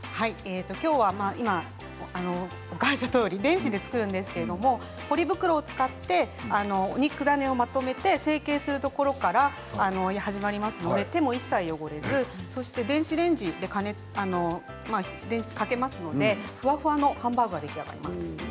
きょうはレンジで作るんですけれどもポリ袋を使ってお肉だねをまとめて成形するところから始まりますので手も一切汚れず電子レンジでかけますのでふわふわなハンバーグが出来上がります。